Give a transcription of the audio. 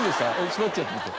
柴っちやってみて。